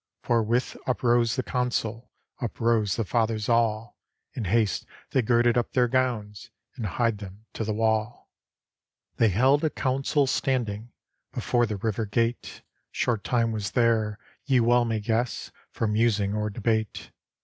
Forthwith up rose the Consul, Up rose the Fathers all; In haste they girded up their gowns, And hied them to the wall. They held a council standing Before the River Gate; Short time was there, ye well may guess, For musing or debate.